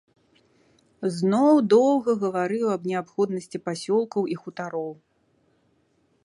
Зноў доўга гаварыў аб неабходнасці пасёлкаў і хутароў.